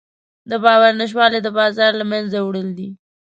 د باور نشتوالی د بازار له منځه وړل دي.